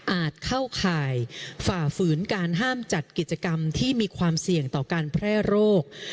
เข้าข่ายฝ่าฝืนการห้ามจัดกิจกรรมที่มีความเสี่ยงต่อการแพร่โรค